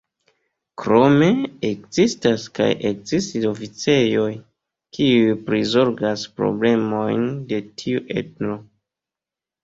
Krome ekzistas kaj ekzistis oficejoj, kiuj prizorgas problemojn de tiu etno.